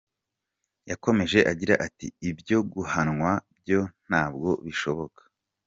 Yakomeje agira ati “ Ibyo guhanwa byo ntabwo bishoboka.